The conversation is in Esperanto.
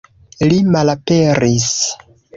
Li malaperis!